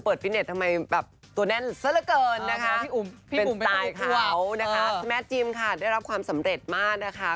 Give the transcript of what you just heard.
เป็นสไตล์ขาวสแมทจิมค่ะได้รับความสำเร็จมากนะคะ